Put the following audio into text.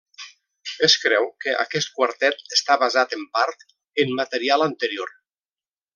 Es creu que aquest quartet està basat, en part, en material anterior.